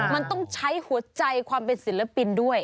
มันต้องใช้หัวใจความเป็นศิลปินด้วย